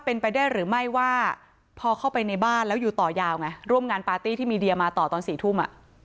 เป็นไปได้หรือไม่ว่าพอเข้าไปในบ้านแล้วอยู่ต่อยาวไงร่วมงานปาร์ตี้ที่มีเดียมาต่อตอน๔ทุ่ม